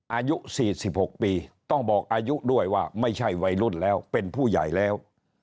อายุ๔๖ปีต้องบอกอายุด้วยว่าไม่ใช่วัยรุ่นแล้วเป็นผู้ใหญ่แล้ว